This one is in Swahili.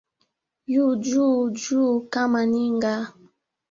Yu juu juu kama ninga